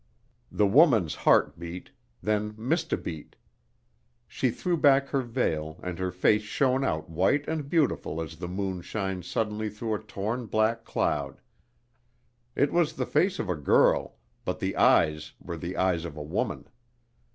The woman's heart beat, then missed a beat. She threw back her veil, and her face shone out white and beautiful as the moon shines suddenly through a torn black cloud. It was the face of a girl, but the eyes were the eyes of a woman.